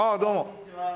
こんにちは。